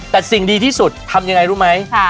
แต่สิ่งดีที่สุดทำยังไงรู้ไหม